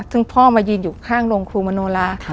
ซึ่งพ่อมายืนอยู่ข้างโรงครูมโนลา